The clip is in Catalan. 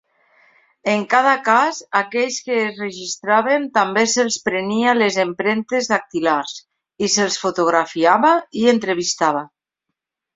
En cada cas, aquells que es registraven també se'ls prenia les empremtes dactilars, i se'ls fotografiava i entrevistava.